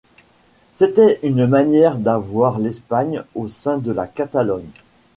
C'était une manière d'avoir l'Espagne au sein de la Catalogne.